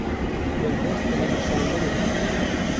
Min dest bi nivîsandinê kir.